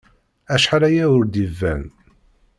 Acḥal aya ur d-iban.